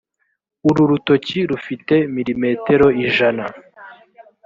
uru rutoki rufite milimetero ijana